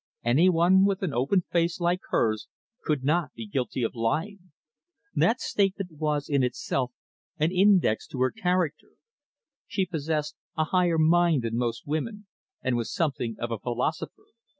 Any one with an open face like hers could not be guilty of lying. That statement was, in itself, an index to her character. She possessed a higher mind than most women, and was something of a philosopher.